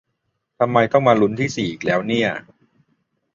ทำไมต้องมาลุ้นที่สี่อีกแล้วเนี่ย